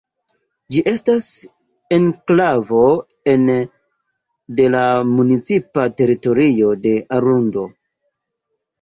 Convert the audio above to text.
Ĝi estas enklavo ene de la municipa teritorio de Arundo.